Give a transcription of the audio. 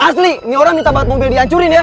asli ini orang minta buat mobil dihancurin ya